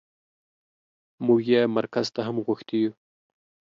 موږ يې مرکز ته هم غوښتي يو.